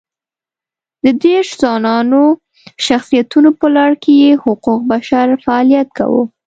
د دېرش ځوانو شخصیتونو په لړ کې یې حقوق بشر فعالیت کاوه.